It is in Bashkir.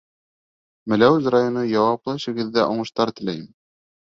Мәләүез районы, Яуаплы эшегеҙҙә уңыштар теләйем.